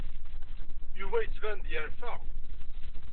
Yuba yettban-d yerfa.